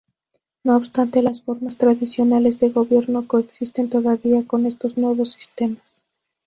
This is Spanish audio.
No obstante, las formas tradicionales de gobierno coexisten todavía con estos nuevos sistemas.